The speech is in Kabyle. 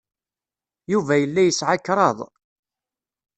Yuba yella yesɛa kraḍ.